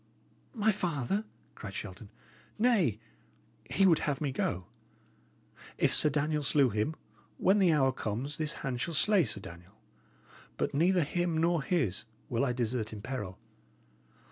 "My father?" cried Shelton. "Nay, he would have me go! If Sir Daniel slew him, when the hour comes this hand shall slay Sir Daniel; but neither him nor his will I desert in peril.